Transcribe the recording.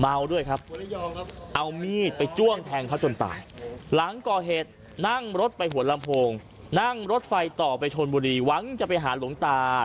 เมาด้วยครับเอามีดไปจ้วงแทงเขาจนตายหลังก่อเหตุนั่งรถไปหัวลำโพงนั่งรถไฟต่อไปชนบุรีหวังจะไปหาหลวงตา